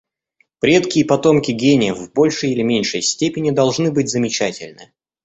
Предки и потомки гениев в большей или меньшей степени должны быть замечательны.